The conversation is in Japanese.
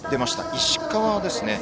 石川ですね。